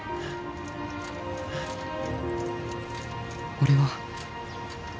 「俺は」